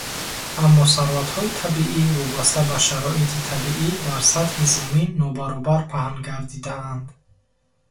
Аммо сарватҳои табиӣ вобаста ба шароити табиӣ дар сатҳи Замин нобаробар паҳн гардидаанд.